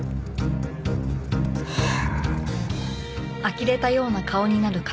はあ。